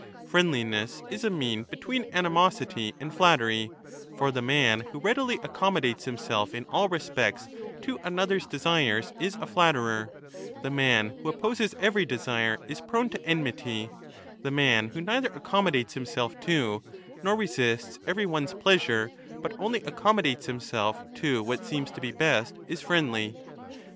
Friendliness is a mean '^ 30 between animosity and flattery; for the man who readily accommodates himself in all respects to another's desires is a flatterer ; the man who opposes every desire is prone to enmity ; the man who neither accommodates himself to nor resists every one's pleasure, but only accommodates himself to .(O^*^ what seems to be best, is friendly.